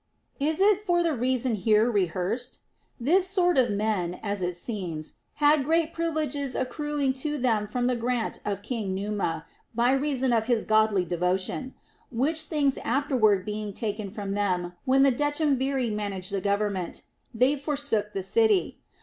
Is it for the reason here rehearsed % This sort of men (as it seems) had great privileges accruing to them from the grant of King Numa, by reason of his THE ROMAN QUESTIONS. 235 godly de\otion; which things afterward being taken from them when the Decemviri managed the government, they forsook the city.